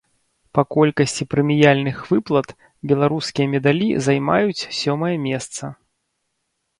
Па колькасці прэміяльных выплат беларускія медалі займаюць сёмае месца.